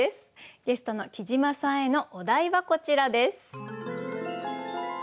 ゲストのきじまさんへのお題はこちらです。